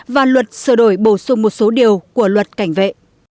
và luật sửa đổi bổ sung một số điều của luật cảnh vệ